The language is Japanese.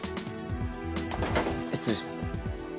失礼します。